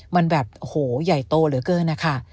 มันแบบโอ้โหใหญ่โตเหลือเกินนะคะ